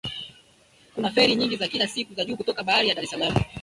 Kuna feri nyingi za kila siku za juu kutoka bandari ya Dar es Salaam